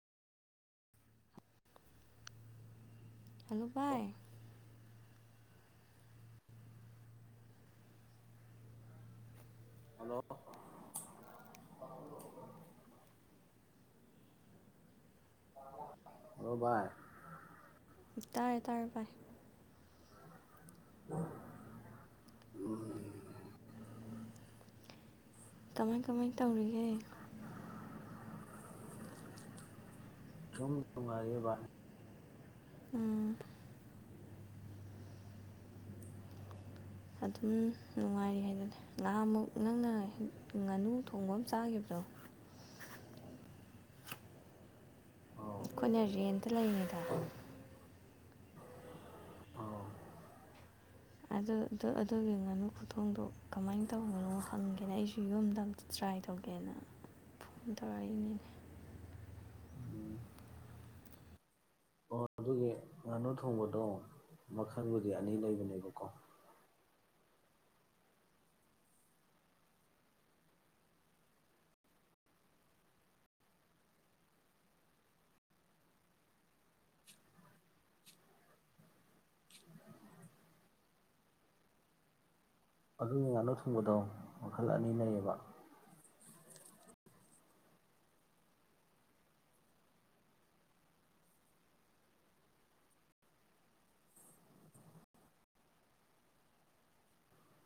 hello ꯚꯥꯏ hello hello ꯚꯥꯏ ꯇꯔꯦ ꯇꯔꯦ ꯚꯥꯏ ꯎꯝ ꯀꯃꯥꯏ ꯀꯃꯥꯏ ꯇꯧꯔꯤꯒꯦ ꯁꯨꯝ ꯅꯨꯡꯉꯥꯏꯔꯤꯌꯦ ꯚꯥꯏ ꯎꯝ ꯑꯗꯨꯝ ꯅꯨꯡꯉꯥꯏꯔꯤ ꯍꯥꯏꯗꯨꯅꯦ ꯉꯍꯥꯃꯨꯛ ꯅꯪꯅ ꯉꯥꯅꯨ ꯊꯣꯡꯕ ꯑꯃ ꯆꯥꯈꯤꯕꯗꯣ ꯑꯣ ꯑꯩꯈꯣꯏꯅ ꯔꯦꯟꯇ ꯂꯩꯔꯤꯉꯩꯗ ꯑꯧ ꯑꯗꯨ ꯑꯗꯨꯒꯤ ꯉꯥꯅꯨ ꯈꯨꯊꯣꯡꯗꯣ ꯀꯃꯥꯏꯅ ꯇꯧꯕꯅꯣ ꯍꯪꯒꯦꯅ ꯑꯩꯁꯨ ꯌꯨꯝꯗ ꯑꯝꯇ ꯇ꯭ꯔꯥꯏ ꯇꯧꯒꯦꯅ ꯐꯣꯟ ꯇꯧꯔꯛꯏꯅꯦ ꯎꯝ ꯑꯣ ꯑꯗꯨꯒꯤ ꯉꯥꯅꯨ ꯊꯣꯡꯕꯗꯣ ꯃꯈꯜꯕꯨꯗꯤ ꯑꯅꯤ ꯂꯩꯕꯅꯦꯕꯀꯣ ꯑꯗꯨꯒꯤ ꯉꯥꯅꯨ ꯊꯣꯡꯕꯗꯣ ꯃꯈꯜ ꯑꯅꯤ ꯂꯩꯌꯦꯕ